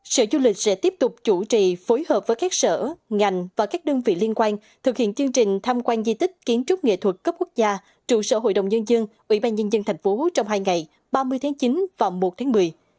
sở du lịch sẽ tiếp tục chủ trì phối hợp với các sở ngành và các đơn vị liên quan thực hiện chương trình tham quan di tích kiến trúc nghệ thuật cấp quốc gia trụ sở hội đồng nhân dân ủy ban nhân dân thành phố trong hai ngày ba mươi tháng chín và một tháng một mươi